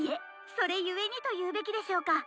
それゆえにと言うべきでしょうか。